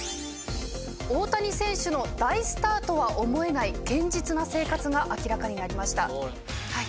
大谷選手の大スターとは思えない堅実な生活が明らかになりました。